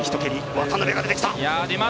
渡辺が出てきた！